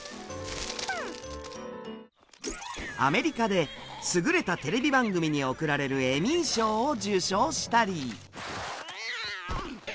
アメリカで優れたテレビ番組に贈られるエミー賞を受賞したり。